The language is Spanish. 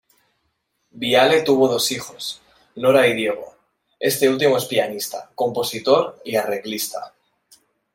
Viale tuvo dos hijos, Nora y Diego; este último es pianista, compositor y arreglista.